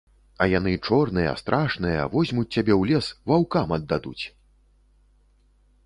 А яны чорныя, страшныя, возьмуць цябе ў лес, ваўкам аддадуць!